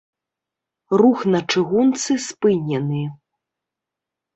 Рух на чыгунцы спынены.